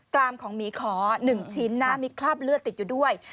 รามของหมีขอ๑ชิ้นนะมีคราบเลือดติดอยู่ด้วย